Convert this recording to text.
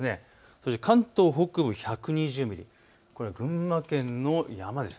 そして関東北部で１２０ミリ、これは群馬県の山です。